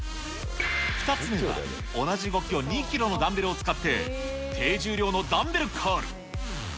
２つ目は同じ動きを２キロのダンベルを使って低重量のダンベルカール。